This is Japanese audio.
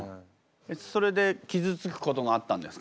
それで傷つくことがあったんですか？